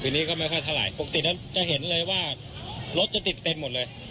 นี้ก็ไม่ค่อยเท่าไหร่ปกตินั้นจะเห็นเลยว่ารถจะติดเต็มหมดเลย